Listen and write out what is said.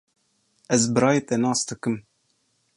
Ez birayê te nas dikim.